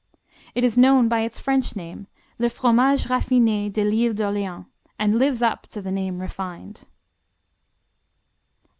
It is known by its French name, Le Fromage Raffiné de l'Ile d'Orléans, and lives up to the name "refined."